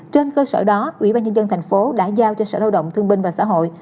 trên cơ sở đó ủy ban nhân dân thành phố đã giao cho sở lao động thương binh và xã hội